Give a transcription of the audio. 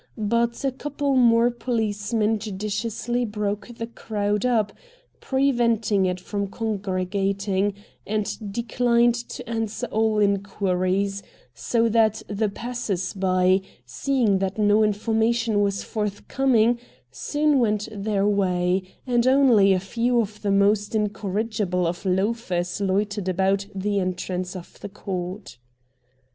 But a couple more policemen judiciously broke the crowd up, preventing it from congregating, and declined to answer all inquiries, so that the passers by, seeing that no information was forthcoming, soon went their way, and only a few of the most incorrigible of loafers loitered about the entrance to the court.